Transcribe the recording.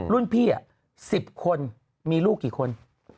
รุ่นพี่๑๐คนมีลูกกี่คน